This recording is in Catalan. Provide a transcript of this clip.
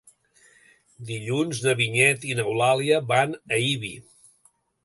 Dilluns na Vinyet i n'Eulàlia van a Ibi.